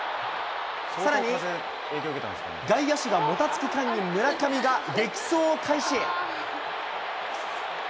さらに外野手がもたつく間に村上が激走を開始。